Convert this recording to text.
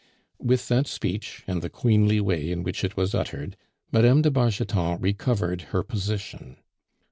With that speech, and the queenly way in which it was uttered, Mme. de Bargeton recovered her position.